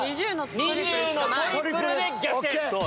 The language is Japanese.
２０のトリプルで逆転。